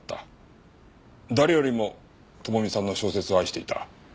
誰よりも智美さんの小説を愛していた。